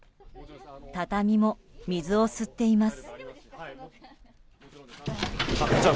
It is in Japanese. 畳も水を吸っています。